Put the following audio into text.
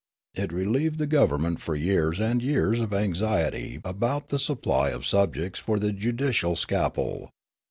It relieved the govern ment for years and years of anxiety about the supply of subjects for the judicial scalpel.